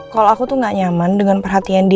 kalau aku tuh gak nyaman dengan perhatian dia